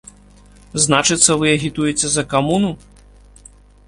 Значыцца, вы агітуеце за камуну?